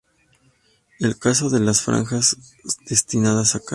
El caso de las franjas destinadas a calles".